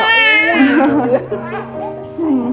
oh iya kebangun ya